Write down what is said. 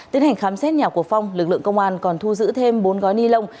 tiến hành khám xét nhà của phong lực lượng công an còn thu giữ thêm bốn gói ni lông